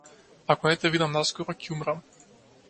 Ако не те видам наскоро ќе умрам.